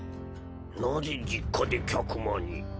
なぜ実家で客間に？